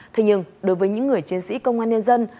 thế nhưng đối với những người chiến sĩ công an nhân dân